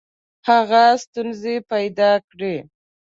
هغه ستونزي پیدا کړې.